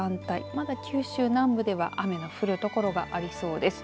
まだ九州南部では雨の降るところがありそうです。